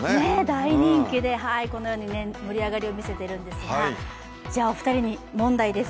大人気で、このように盛り上がりを見せているんですがお二人に問題です。